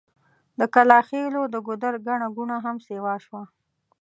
د کلاخېلو د ګودر ګڼه ګوڼه هم سيوا شوه.